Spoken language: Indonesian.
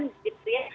jadi itu ya